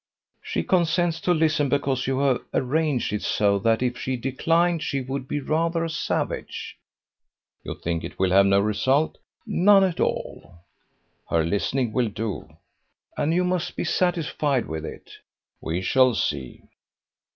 "She consents to listen, because you have arranged it so that if she declined she would be rather a savage." "You think it will have no result?" "None at all." "Her listening will do." "And you must be satisfied with it." "We shall see."